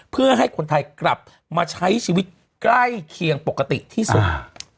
เพื่อให้คนไทยกลับมาใช้ชีวิตใกล้เคียงปกติที่สุด